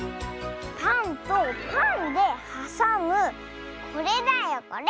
パンとパンではさむこれだよこれ！